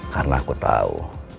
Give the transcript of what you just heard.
karena aku tau